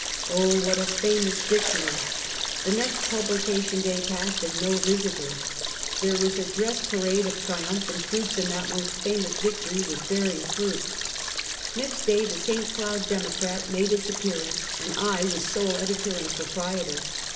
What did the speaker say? Oh, what a famous victory. The next pub lication day passed and no Visiter. There was a dress A Famous Victory. 195 parade"of triumphant troops, and that most famons victory was bearing fruit. IText day the Si. Cloud Democrat made its ap pearance, and I was sole editor and proprietor.